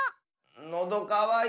のどかわいた。